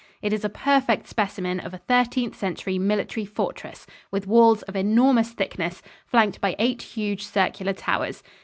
It is a perfect specimen of a Thirteenth Century military fortress, with walls of enormous thickness, flanked by eight huge, circular towers.